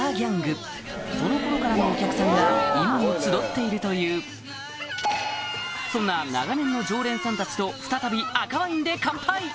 その頃からのお客さんが今も集っているというそんな長年の常連さんたちと再び赤ワインで乾杯！